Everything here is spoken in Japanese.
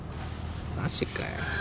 マジかよ。